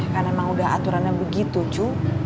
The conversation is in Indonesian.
kan emang udah aturannya begitu cu